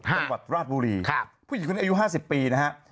จังหวัดราชบุรีผู้หญิงคนนี้อายุ๕๐ปีนะฮะ